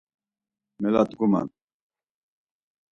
Moladguman.